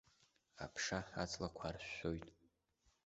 Аԥша аҵлақәа аршәшәоит.